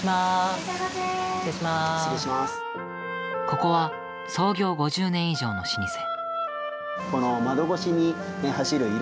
ここは創業５０年以上の老舗。